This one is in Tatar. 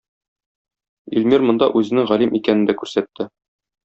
Илмир монда үзенең галим икәнен дә күрсәтте.